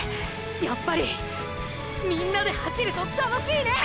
やっぱりみんなで走ると楽しいね！！